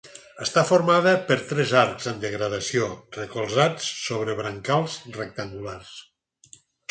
Està formada per tres arcs en degradació recolzats sobre brancals rectangulars.